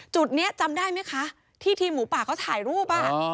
จุดนี้จำได้ไหมคะที่ทีมหมูป่าเขาถ่ายรูป